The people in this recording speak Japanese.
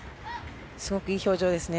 すごくいい表情ですね。